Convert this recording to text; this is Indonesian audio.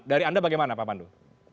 dari anda bagaimana pak pandu